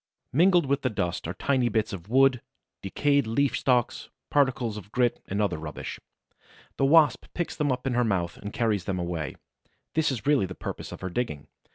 Mingled with this dust are tiny bits of wood, decayed leaf stalks, particles of grit and other rubbish. The Wasp picks them up in her mouth and carries them away. This is really the purpose of her digging.